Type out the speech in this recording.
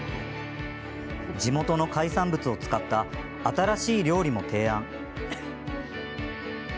地元の海産物を使った新しい料理も提案。